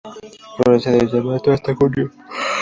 Florece desde marzo hasta junio.